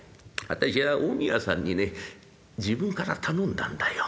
私は近江屋さんにね自分から頼んだんだよ。